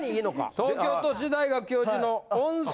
東京都市大学教授の温泉